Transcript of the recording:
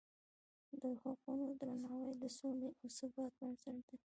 د حقونو درناوی د سولې او ثبات بنسټ دی.